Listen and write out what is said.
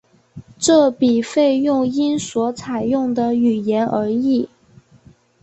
这笔费用因所采用的语言而异。